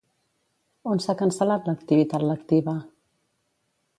On s'ha cancel·lat l'activitat lectiva?